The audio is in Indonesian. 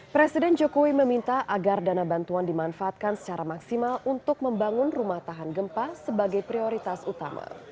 presiden jokowi meminta agar dana bantuan dimanfaatkan secara maksimal untuk membangun rumah tahan gempa sebagai prioritas utama